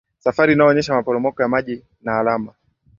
safari inayoonyesha maporomoko ya maji na alama